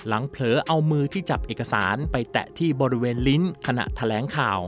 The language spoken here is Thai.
เผลอเอามือที่จับเอกสารไปแตะที่บริเวณลิ้นขณะแถลงข่าว